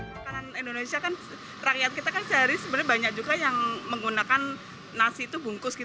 makanan indonesia kan rakyat kita kan sehari sebenarnya banyak juga yang menggunakan nasi itu bungkus